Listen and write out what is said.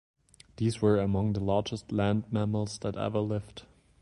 These were amoung the largest land mammals that ever lived.